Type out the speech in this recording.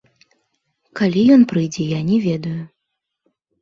Калі ён прыйдзе, я не ведаю.